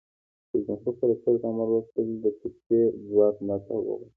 رئیس جمهور خپلو عسکرو ته امر وکړ؛ د توپچي ځواک ملاتړ وغواړئ!